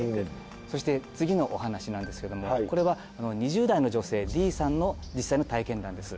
そして次のお話なんですけどもこれは２０代の女性Ｄさんの実際の体験談です。